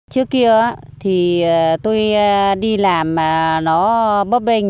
trước kia thì tôi đi làm mà nó bóp bình